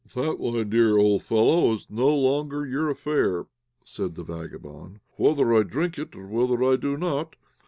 "That, my dear old fellow, is no longer your affair," said the vagabond, "whether I drink it or whether I do not.